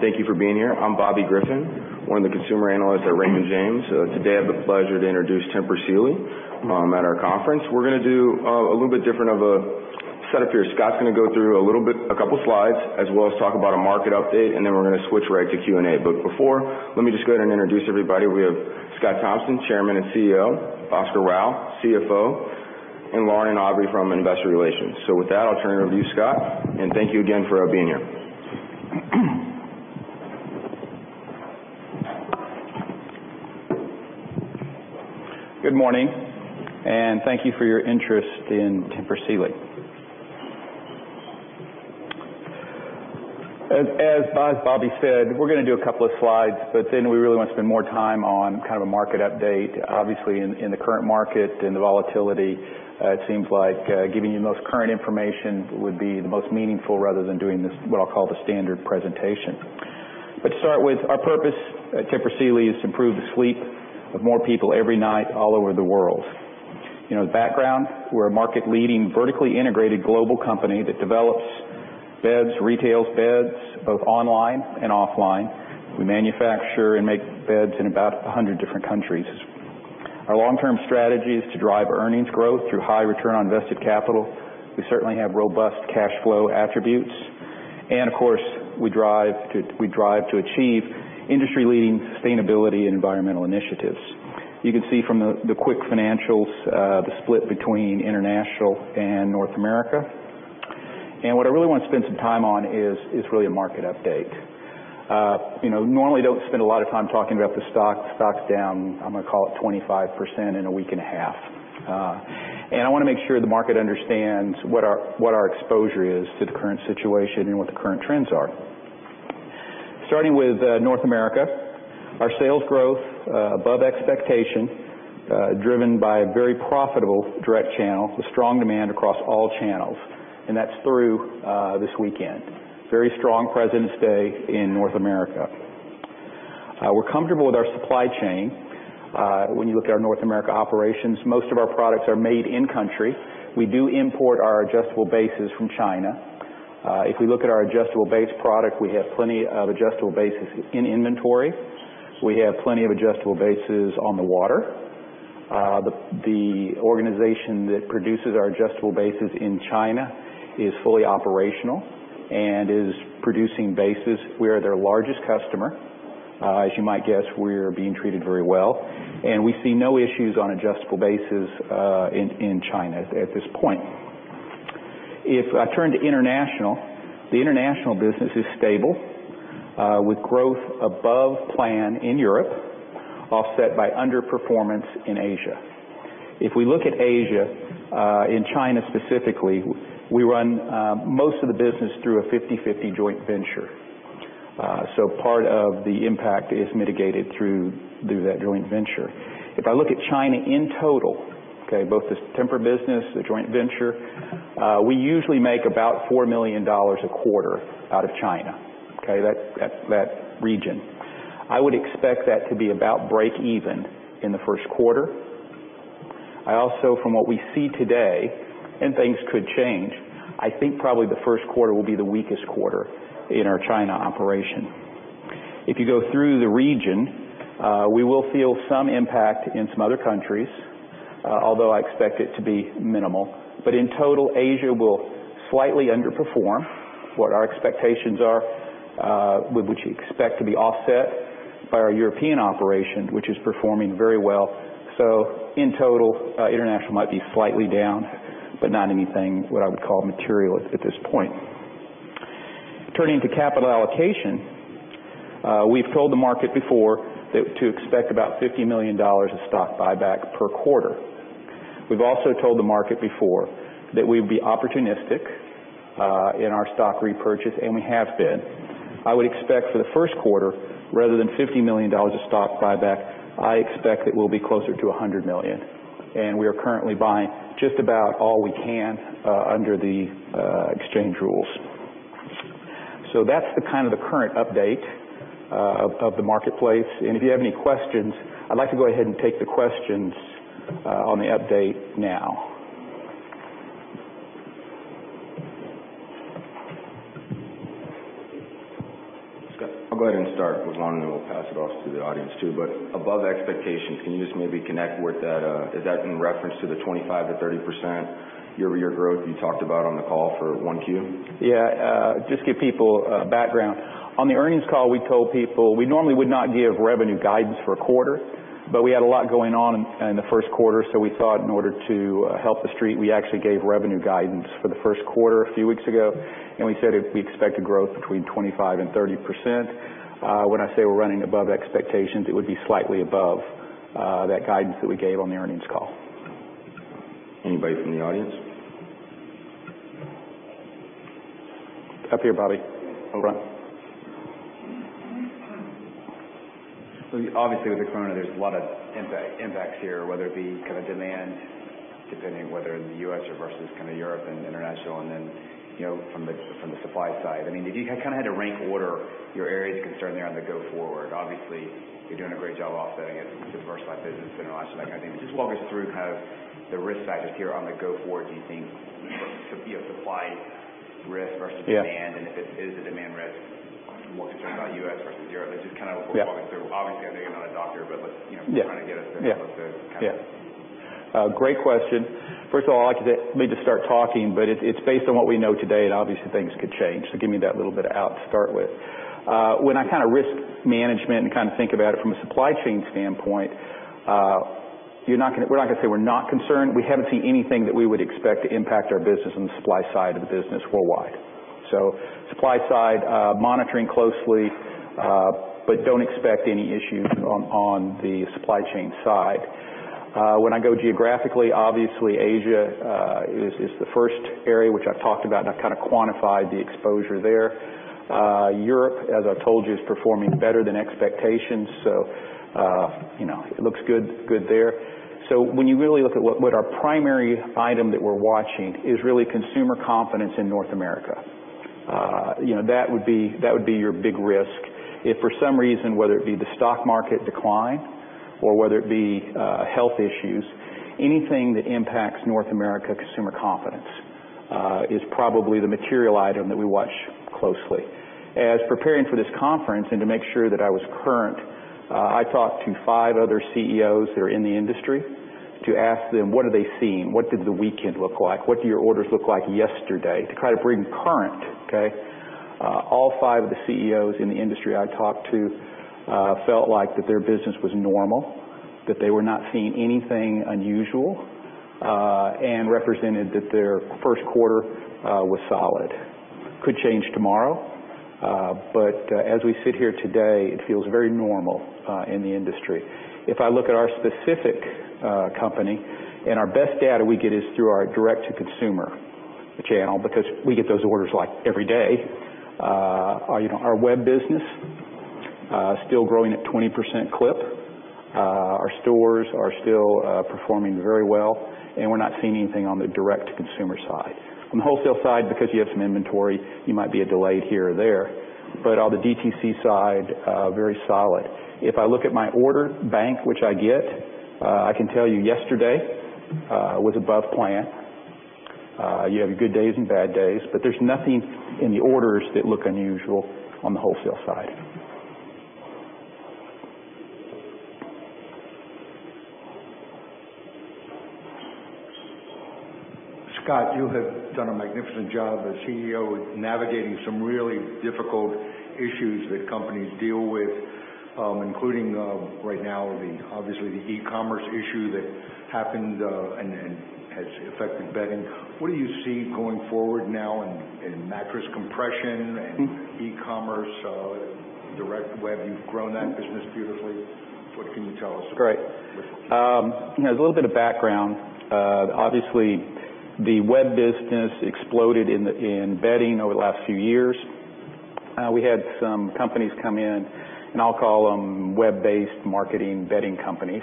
Thank you for being here. I'm Bobby Griffin, one of the consumer analysts at Raymond James. Today, I have the pleasure to introduce Tempur Sealy at our conference. We're going to do a little bit different of a set-up here. Scott's going to go through a couple of slides, as well as talk about a market update, and then we're going to switch right to Q&A. Before, let me just go ahead and introduce everybody. We have Scott Thompson, Chairman and CEO, Oscar Rao, CFO, and Lauren and Aubrey from investor relations. With that, I'll turn it over to you, Scott, and thank you again for being here. Good morning. Thank you for your interest in Tempur Sealy. As Bobby said, we're going to do a couple of slides. We really want to spend more time on kind of a market update. Obviously, in the current market and the volatility, it seems like giving you the most current information would be the most meaningful rather than doing what I'll call the standard presentation. To start with, our purpose at Tempur Sealy is to improve the sleep of more people every night all over the world. The background. We're a market-leading, vertically integrated global company that develops beds, retails beds, both online and offline. We manufacture and make beds in about 100 different countries. Our long-term strategy is to drive earnings growth through high return on invested capital. We certainly have robust cash flow attributes. Of course, we drive to achieve industry-leading sustainability and environmental initiatives. You can see from the quick financials, the split between international and North America. What I really want to spend some time on is really a market update. Normally, don't spend a lot of time talking about the stock. The stock's down, I'm going to call it 25% in a week and a half. I want to make sure the market understands what our exposure is to the current situation and what the current trends are. Starting with North America, our sales growth above expectation, driven by a very profitable direct channel with strong demand across all channels, and that's through this weekend. Very strong President's Day in North America. We're comfortable with our supply chain. When you look at our North America operations, most of our products are made in-country. We do import our adjustable bases from China. If we look at our adjustable base product, we have plenty of adjustable bases in inventory. We have plenty of adjustable bases on the water. The organization that produces our adjustable bases in China is fully operational and is producing bases. We are their largest customer. As you might guess, we're being treated very well, and we see no issues on adjustable bases in China at this point. If I turn to international, the international business is stable with growth above plan in Europe, offset by underperformance in Asia. If we look at Asia, in China specifically, we run most of the business through a 50/50 joint venture. Part of the impact is mitigated through that joint venture. If I look at China in total, both the Tempur business, the joint venture, we usually make about $4 million a quarter out of China. That region. I would expect that to be about break even in the first quarter. I also, from what we see today, and things could change, I think probably the first quarter will be the weakest quarter in our China operation. If you go through the region, we will feel some impact in some other countries, although I expect it to be minimal. In total, Asia will slightly underperform what our expectations are, which we expect to be offset by our European operation, which is performing very well. In total, international might be slightly down, but not anything what I would call material at this point. Turning to capital allocation, we've told the market before to expect about $50 million of stock buyback per quarter. We've also told the market before that we'd be opportunistic in our stock repurchase, and we have been. I would expect for the first quarter, rather than $50 million of stock buyback, I expect it will be closer to $100 million, and we are currently buying just about all we can under the exchange rules. That's the kind of the current update of the marketplace. If you have any questions, I'd like to go ahead and take the questions on the update now. Scott, I'll go ahead and start with one, and then we'll pass it off to the audience too. Above expectation, can you just maybe connect with that? Is that in reference to the 25%-30% year-over-year growth you talked about on the call for 1Q? Just give people a background. On the earnings call, we told people we normally would not give revenue guidance for a quarter, but we had a lot going on in the first quarter, so we thought in order to help the Street, we actually gave revenue guidance for the first quarter a few weeks ago, and we said we expect a growth between 25% and 30%. When I say we're running above expectations, it would be slightly above that guidance that we gave on the earnings call. Anybody from the audience? Up here, Bobby. All right. Obviously with the corona, there's a lot of impacts here, whether it be kind of demand, depending whether in the U.S. or versus kind of Europe and international, and then from the supply side. If you kind of had to rank order your areas of concern there on the go forward, obviously, you're doing a great job offsetting it with diversified business internationally. Walk us through kind of the risk factors here on the go forward, do you think could be of supply? Risk versus demand. If it is a demand risk, more concerned about U.S. versus Europe. Just kind of walking through. Obviously, I know you're not a doctor, but just trying to get us through those. Yeah. Great question. First of all, I'd like to start talking, but it's based on what we know today. Obviously things could change. Give me that little bit out to start with. When I risk management and think about it from a supply chain standpoint, we're not going to say we're not concerned. We haven't seen anything that we would expect to impact our business on the supply side of the business worldwide. Supply side, monitoring closely, but don't expect any issues on the supply chain side. When I go geographically, obviously Asia is the first area which I've talked about. I've kind of quantified the exposure there. Europe, as I've told you, is performing better than expectations. It looks good there. When you really look at what our primary item that we're watching is really consumer confidence in North America. That would be your big risk. If for some reason, whether it be the stock market decline or whether it be health issues, anything that impacts North America consumer confidence is probably the material item that we watch closely. As preparing for this conference and to make sure that I was current, I talked to five other CEOs that are in the industry to ask them: What are they seeing? What did the weekend look like? What do your orders look like yesterday? To kind of bring current. All five of the CEOs in the industry I talked to felt like that their business was normal, that they were not seeing anything unusual, and represented that their first quarter was solid. Could change tomorrow, but as we sit here today, it feels very normal in the industry. If I look at our specific company and our best data we get is through our direct-to-consumer channel because we get those orders every day. Our web business, still growing at 20% clip. Our stores are still performing very well. We're not seeing anything on the direct-to-consumer side. On the wholesale side, because you have some inventory, you might be delayed here or there. On the DTC side, very solid. If I look at my order bank, which I get, I can tell you yesterday was above plan. You have your good days and bad days. There's nothing in the orders that look unusual on the wholesale side. Scott, you have done a magnificent job as CEO navigating some really difficult issues that companies deal with, including right now, obviously the e-commerce issue that happened and has affected bedding. What do you see going forward now in mattress compression and e-commerce, direct web? You've grown that business beautifully. What can you tell us? Great. As a little bit of background, obviously the web business exploded in bedding over the last few years. We had some companies come in. I'll call them web-based marketing bedding companies,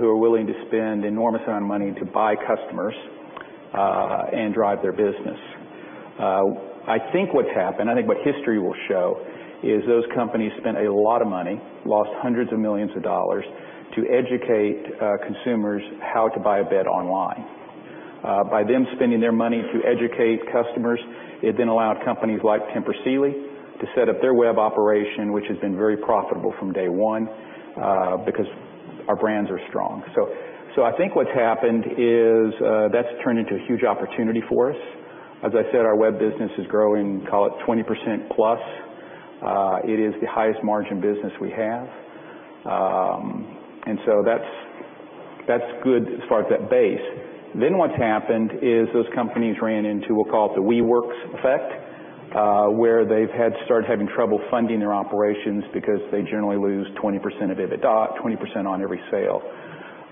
who are willing to spend enormous amount of money to buy customers and drive their business. I think what's happened, I think what history will show, is those companies spent a lot of money, lost hundreds of millions of dollars to educate consumers how to buy a bed online. By them spending their money to educate customers, it allowed companies like Tempur Sealy to set up their web operation, which has been very profitable from day one because our brands are strong. I think what's happened is that's turned into a huge opportunity for us. As I said, our web business is growing, call it 20%+. It is the highest margin business we have. That's good as far as that base. What's happened is those companies ran into what we'll call the WeWork's effect, where they've had to start having trouble funding their operations because they generally lose 20% of EBITDA, 20% on every sale.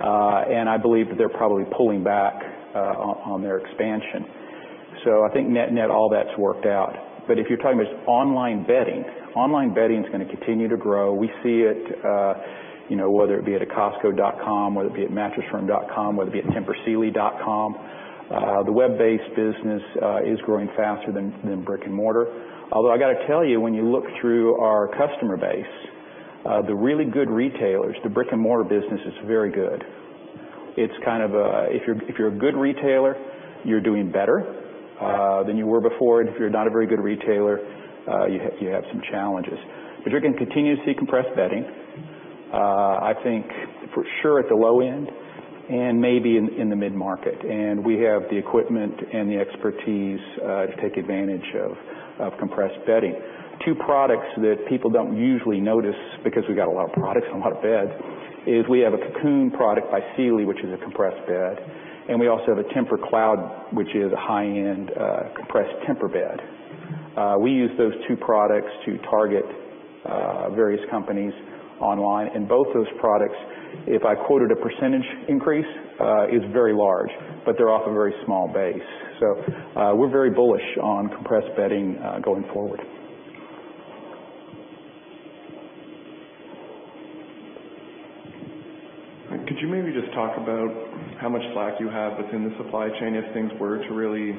I believe that they're probably pulling back on their expansion. I think net-net, all that's worked out. If you're talking about online bedding, online bedding's going to continue to grow. We see it, whether it be at a costco.com, whether it be at mattressfirm.com, whether it be at tempursealy.com. The web-based business is growing faster than brick and mortar. I got to tell you, when you look through our customer base, the really good retailers, the brick and mortar business is very good. If you're a good retailer, you're doing better than you were before. If you're not a very good retailer, you have some challenges. You're going to continue to see compressed bedding. I think for sure at the low end and maybe in the mid-market. We have the equipment and the expertise to take advantage of compressed bedding. Two products that people don't usually notice, because we got a lot of products and a lot of beds, is we have a Cocoon product by Sealy, which is a compressed bed, and we also have a TEMPUR-Cloud, which is a high-end compressed Tempur bed. We use those two products to target various companies online. Both those products, if I quoted a percentage increase, is very large, but they're off a very small base. We're very bullish on compressed bedding going forward. Could you maybe just talk about how much slack you have within the supply chain if things were to really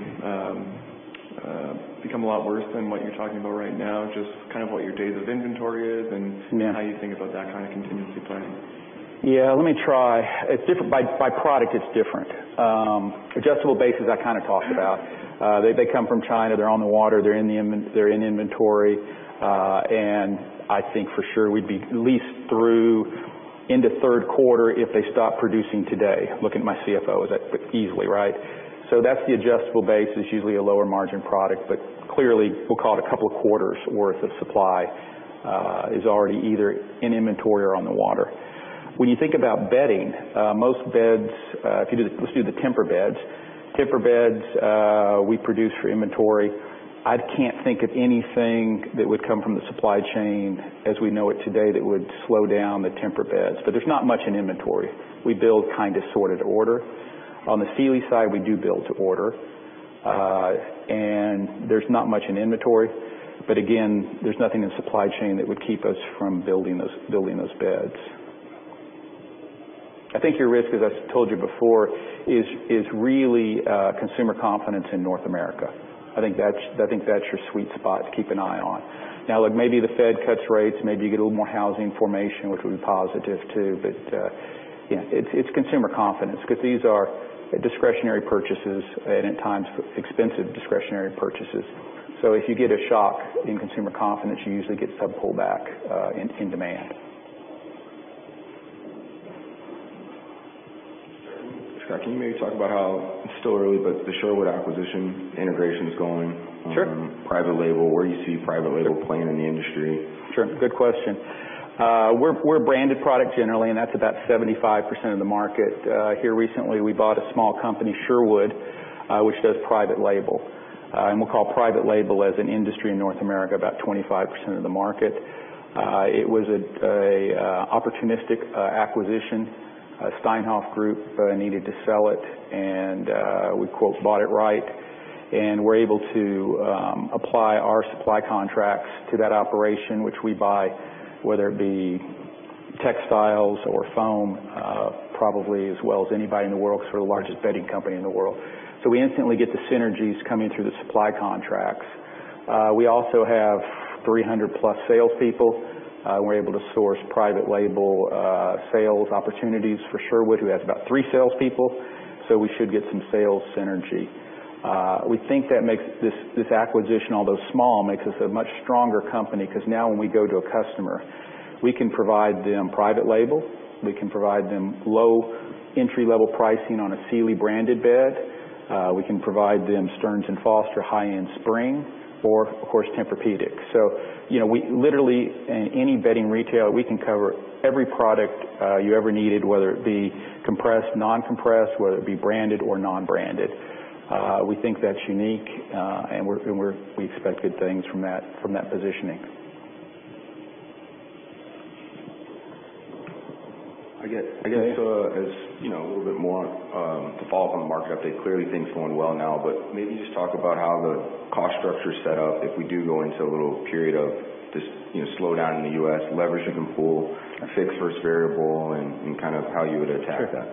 become a lot worse than what you're talking about right now, just kind of what your days of inventory is and how you think about that kind of contingency planning? Let me try. By product, it's different. Adjustable bases I kind of talked about. They come from China, they're on the water, they're in inventory. I think for sure we'd be at least through into third quarter if they stop producing today. Looking at my CFO, easily, right? That's the adjustable base, it's usually a lower margin product, but clearly, we'll call it a couple of quarters worth of supply is already either in inventory or on the water. When you think about bedding, most beds, let's do the Tempur beds. Tempur beds, we produce for inventory. I can't think of anything that would come from the supply chain as we know it today that would slow down the Tempur beds. There's not much in inventory. We build kind of sort of to order. On the Sealy side, we do build to order. There's not much in inventory. Again, there's nothing in supply chain that would keep us from building those beds. I think your risk, as I told you before, is really consumer confidence in North America. I think that's your sweet spot to keep an eye on. Now look, maybe the Fed cuts rates, maybe you get a little more housing formation, which would be positive too. Yeah, it's consumer confidence, because these are discretionary purchases, and at times, expensive discretionary purchases. If you get a shock in consumer confidence, you usually get some pullback in demand. Scott, can you maybe talk about how, it's still early, but the Sherwood acquisition integration is going? Sure. Private label, where you see private label playing in the industry. Sure. Good question. We're a branded product generally, and that's about 75% of the market. Here recently, we bought a small company, Sherwood, which does private label. We'll call private label as an industry in North America, about 25% of the market. It was an opportunistic acquisition. Steinhoff Group needed to sell it and we "bought it right." We're able to apply our supply contracts to that operation, which we buy, whether it be textiles or foam, probably as well as anybody in the world, because we're the largest bedding company in the world. We instantly get the synergies coming through the supply contracts. We also have 300+ salespeople, and we're able to source private label sales opportunities for Sherwood, who has about three salespeople. We should get some sales synergy. We think that this acquisition, although small, makes us a much stronger company, because now when we go to a customer, we can provide them private label. We can provide them low entry-level pricing on a Sealy branded bed. We can provide them Stearns & Foster high-end spring, or of course, Tempur-Pedic. Literally in any bedding retail, we can cover every product you ever needed, whether it be compressed, non-compressed, whether it be branded or non-branded. We think that's unique, and we expect good things from that positioning. I guess as a little bit more to follow up on the market update, clearly things are going well now, but maybe just talk about how the cost structure's set up if we do go into a little period of just slowdown in the U.S., leverage you can pull, fixed versus variable, and kind of how you would attack that.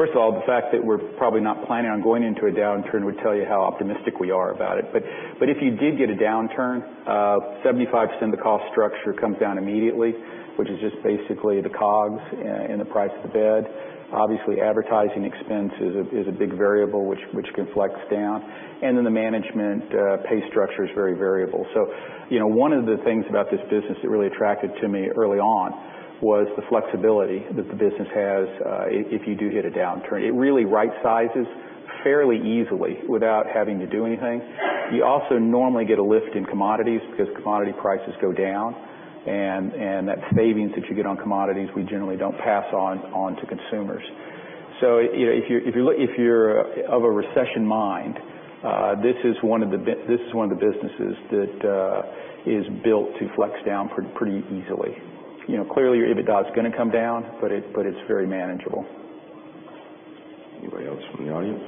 Sure. First of all, the fact that we're probably not planning on going into a downturn would tell you how optimistic we are about it. If you did get a downturn, 75% of the cost structure comes down immediately, which is just basically the COGS and the price of the bed. Obviously, advertising expense is a big variable, which can flex down. The management pay structure is very variable. One of the things about this business that really attracted to me early on was the flexibility that the business has if you do hit a downturn. It really right sizes fairly easily without having to do anything. You also normally get a lift in commodities because commodity prices go down, and that savings that you get on commodities, we generally don't pass on to consumers. If you're of a recession mind, this is one of the businesses that is built to flex down pretty easily. Clearly your EBITDA is going to come down, but it's very manageable. Anybody else from the audience?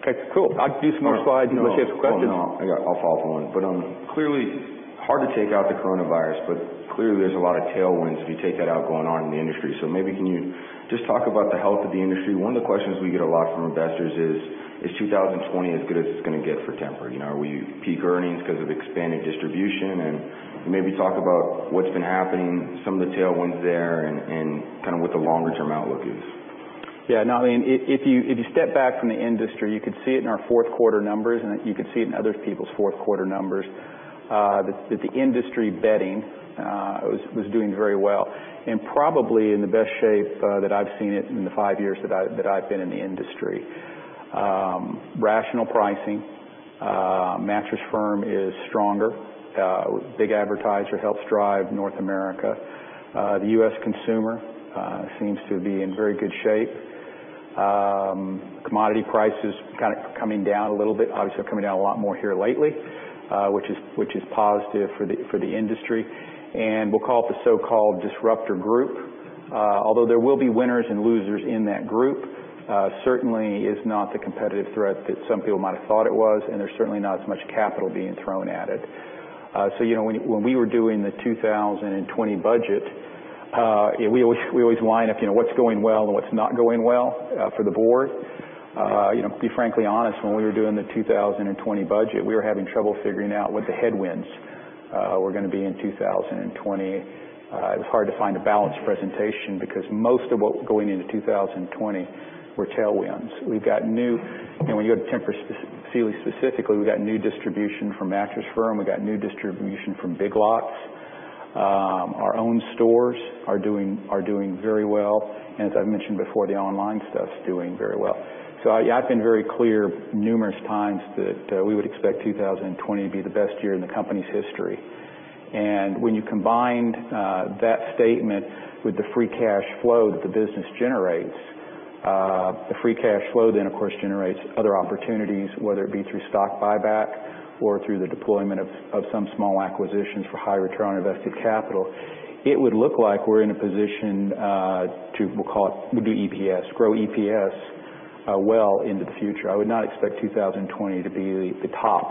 Okay, cool. I can do some more slides unless you have questions. I'll follow up on that. Hard to take out the coronavirus, clearly there's a lot of tailwinds, if you take that out, going on in the industry. Maybe can you just talk about the health of the industry? One of the questions we get a lot from investors is: Is 2020 as good as it's going to get for Tempur? Are we peak earnings because of expanded distribution? Maybe talk about what's been happening, some of the tailwinds there, and kind of what the longer-term outlook is. Yeah, no, if you step back from the industry, you could see it in our fourth quarter numbers, and you could see it in other people's fourth quarter numbers, that the industry bedding was doing very well. Probably in the best shape that I've seen it in the five years that I've been in the industry. Rational pricing. Mattress Firm is stronger. Big advertiser helps drive North America. The U.S. consumer seems to be in very good shape. Commodity prices kind of coming down a little bit. Obviously, coming down a lot more here lately, which is positive for the industry. We'll call it the so-called disruptor group. Although there will be winners and losers in that group, certainly is not the competitive threat that some people might have thought it was, and there's certainly not as much capital being thrown at it. When we were doing the 2020 budget. We always wind up what's going well and what's not going well for the board. To be frankly honest, when we were doing the 2020 budget, we were having trouble figuring out what the headwinds were going to be in 2020. It was hard to find a balanced presentation because most of what were going into 2020 were tailwinds. When you go to Tempur Sealy specifically, we got new distribution from Mattress Firm, we got new distribution from Big Lots. Our own stores are doing very well. As I've mentioned before, the online stuff's doing very well. I've been very clear numerous times that we would expect 2020 to be the best year in the company's history. When you combined that statement with the free cash flow that the business generates, the free cash flow then, of course, generates other opportunities, whether it be through stock buyback or through the deployment of some small acquisitions for high return on invested capital. It would look like we're in a position to, we'll call it, grow EPS well into the future. I would not expect 2020 to be the top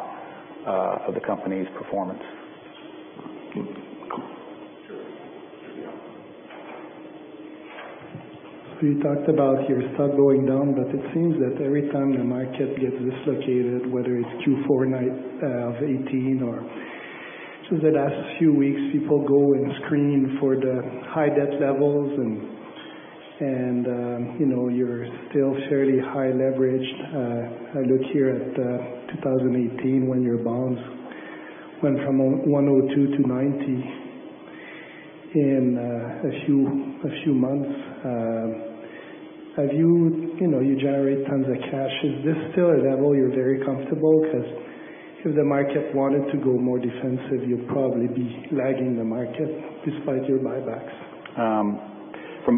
of the company's performance. You talked about your stock going down. It seems that every time the market gets dislocated, whether it's Q4 2018 or through the last few weeks, people go and screen for the high debt levels and you're still fairly high leveraged. I look here at 2018 when your bonds went from [$102] to [$90] in a few months. You generate tons of cash. Is this still a level you're very comfortable because if the market wanted to go more defensive, you'd probably be lagging the market despite your buybacks?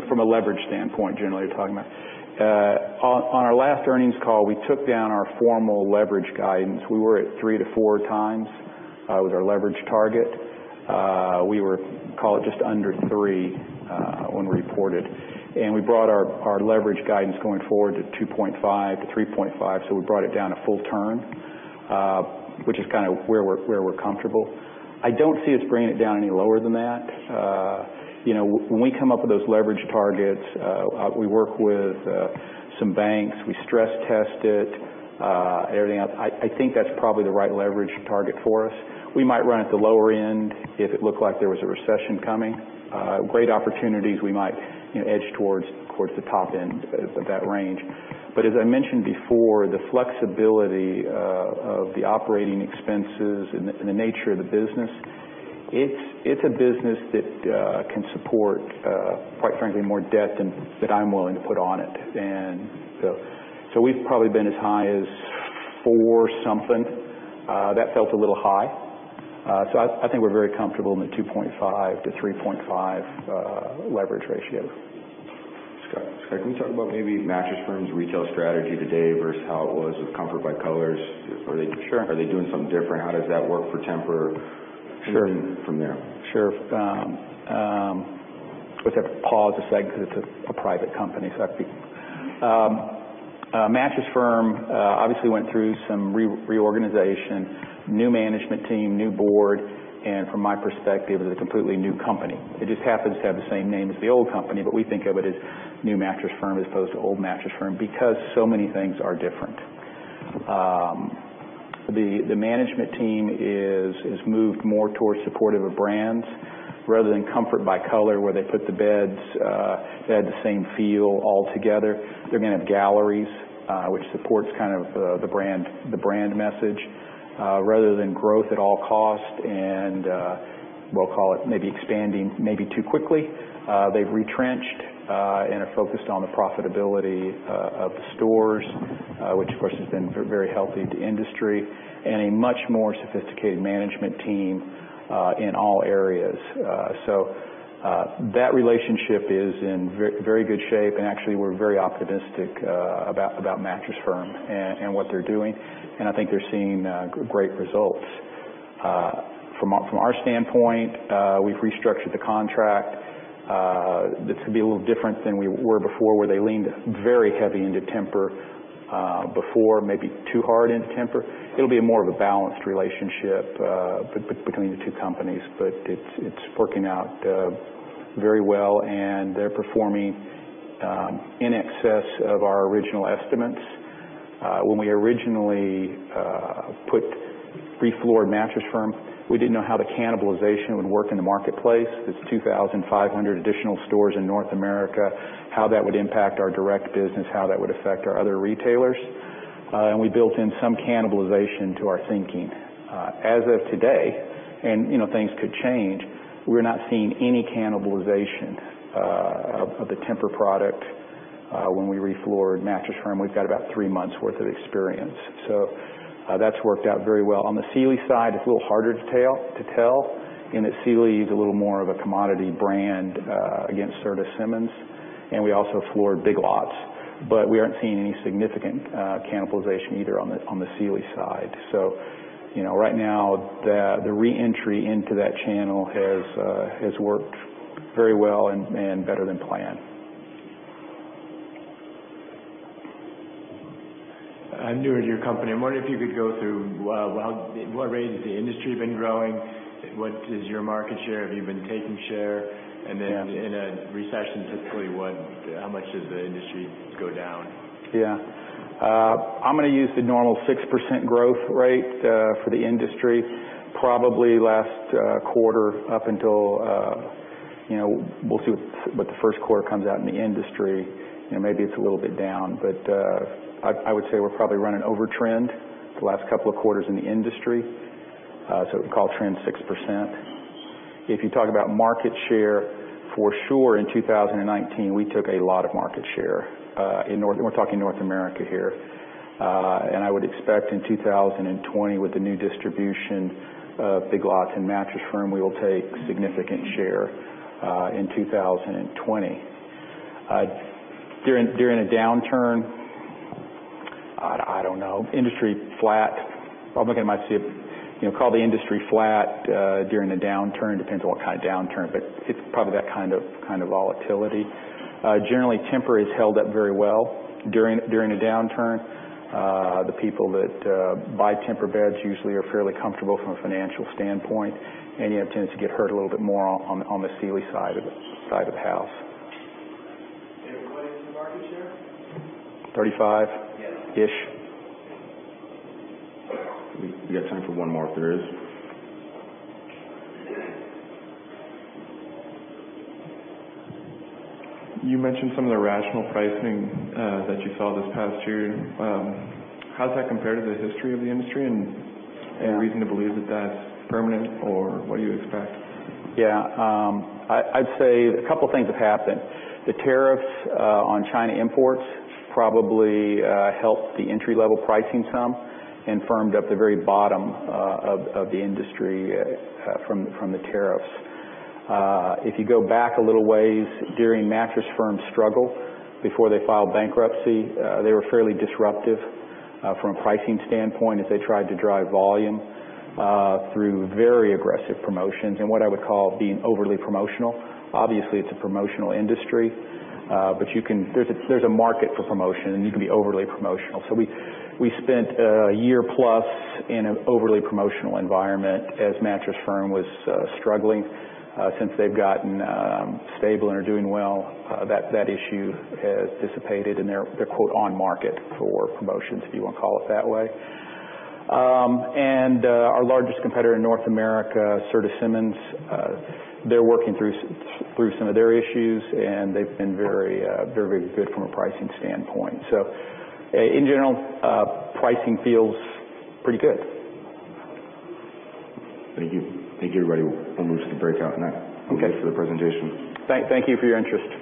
From a leverage standpoint, generally, you're talking about. On our last earnings call, we took down our formal leverage guidance. We were at 3x-4x times with our leverage target. We were, call it, just under three when we reported. We brought our leverage guidance going forward to 2.5x-3.5x. We brought it down a full turn, which is where we're comfortable. I don't see us bringing it down any lower than that. When we come up with those leverage targets, we work with some banks. We stress test it, everything else. I think that's probably the right leverage target for us. We might run at the lower end if it looked like there was a recession coming. Great opportunities we might edge towards the top end of that range. As I mentioned before, the flexibility of the operating expenses and the nature of the business, it's a business that can support, quite frankly, more debt than I'm willing to put on it. We've probably been as high as four something. That felt a little high. I think we're very comfortable in the 2.5x-3.5x leverage ratio. Scott, can you talk about maybe Mattress Firm's retail strategy today versus how it was with Comfort by Color? Sure. Are they doing something different? How does that work for Tempur? Sure. Then from there? Sure. We'd have to pause a sec because it's a private company. Mattress Firm obviously went through some reorganization, new management team, new board, and from my perspective, it's a completely new company. It just happens to have the same name as the old company, but we think of it as new Mattress Firm as opposed to old Mattress Firm because so many things are different. The management team has moved more towards supportive of brands rather than Comfort by Color, where they put the beds that had the same feel all together. They're going to have galleries, which supports the brand message, rather than growth at all costs and, we'll call it, maybe expanding too quickly. They've retrenched and are focused on the profitability of the stores, which of course has been very healthy to industry, and a much more sophisticated management team in all areas. That relationship is in very good shape and actually we're very optimistic about Mattress Firm and what they're doing, and I think they're seeing great results. From our standpoint, we've restructured the contract to be a little different than we were before where they leaned very heavy into Tempur before, maybe too hard into Tempur. It'll be more of a balanced relationship between the two companies, but it's working out very well and they're performing in excess of our original estimates. When we originally refloored Mattress Firm, we didn't know how the cannibalization would work in the marketplace. It's 2,500 additional stores in North America, how that would impact our direct business, how that would affect our other retailers. We built in some cannibalization to our thinking. As of today, and things could change, we're not seeing any cannibalization of the Tempur product when we refloored Mattress Firm. We've got about three months worth of experience. That's worked out very well. On the Sealy side, it's a little harder to tell in that Sealy is a little more of a commodity brand against Serta Simmons, and we also floored Big Lots, but we aren't seeing any significant cannibalization either on the Sealy side. Right now, the re-entry into that channel has worked very well and better than planned. I'm newer to your company. I'm wondering if you could go through what rate has the industry been growing? What is your market share? Have you been taking share? Yeah. In a recession, typically, how much does the industry go down? I'm going to use the normal 6% growth rate for the industry, probably last quarter up until we see what the first quarter comes out in the industry, maybe it's a little bit down. I would say we're probably running over trend the last couple of quarters in the industry, so call trend 6%. If you talk about market share, for sure in 2019, we took a lot of market share. We're talking North America here. I would expect in 2020 with the new distribution of Big Lots and Mattress Firm, we will take significant share in 2020. During a downturn, I don't know, industry flat. Call the industry flat during a downturn, depends on what kind of downturn, it's probably that kind of volatility. Generally, Tempur has held up very well during a downturn. The people that buy Tempur beds usually are fairly comfortable from a financial standpoint, and you tend to get hurt a little bit more on the Sealy side of the house. Tempur-Pedic's market share? [35%]. We got time for one more if there is. You mentioned some of the rational pricing that you saw this past year. How does that compare to the history of the industry and? Yeah. Any reason to believe that that's permanent or what do you expect? Yeah. I'd say a couple of things have happened. The tariffs on China imports probably helped the entry-level pricing some and firmed up the very bottom of the industry from the tariffs. If you go back a little ways, during Mattress Firm's struggle before they filed bankruptcy, they were fairly disruptive from a pricing standpoint as they tried to drive volume through very aggressive promotions and what I would call being overly promotional. Obviously it's a promotional industry, but there's a market for promotion and you can be overly promotional. So we spent a year plus in an overly promotional environment as Mattress Firm was struggling. Since they've gotten stable and are doing well, that issue has dissipated and they're "on market" for promotions, if you want to call it that way. Our largest competitor in North America, Serta Simmons, they're working through some of their issues and they've been very good from a pricing standpoint. In general, pricing feels pretty good. Thank you. I think everybody will move to the breakout now. Okay. Thanks for the presentation. Thank you for your interest.